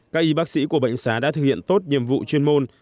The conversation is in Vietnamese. các y bác sĩ của bệnh xá đã thực hiện tốt nhiệm vụ chuyên môn